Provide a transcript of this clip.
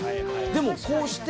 でもこうして。